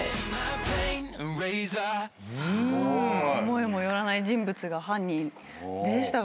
思いも寄らない人物が犯人でしたが。